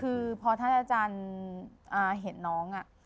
คือพอท่านอาจารย์เห็นน้อง